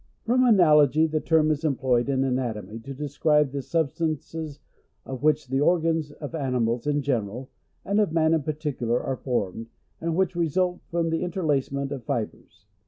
From analogy, the term is employed in anatomy to describe the sub stances of which the organs of animals in general, and of m in paiticularly, are formed, and which result from the, interlacement ol fibres.